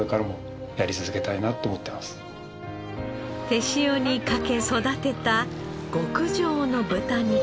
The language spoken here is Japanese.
手塩にかけ育てた極上の豚肉。